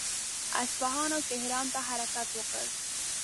اصفهان او تهران ته حرکت وکړ.